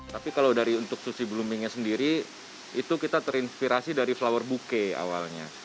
tapi kalau dari untuk sushi bloomingnya sendiri itu kita terinspirasi dari flower booke awalnya